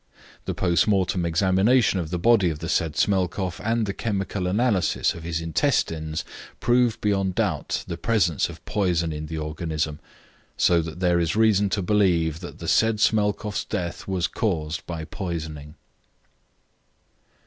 The postmortem examination of the body of the said Smelkoff and the chemical analysis of his intestines proved beyond doubt the presence of poison in the organism, so that there is reason to believe that the said Smelkoff's death was caused by poisoning.